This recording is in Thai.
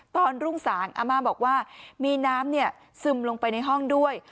รุ่งสางอาม่าบอกว่ามีน้ำซึมลงไปในห้องด้วย